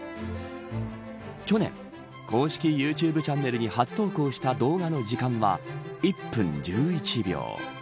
去年公式ユーチューブチャンネルに初投稿した動画の時間は１分１１秒。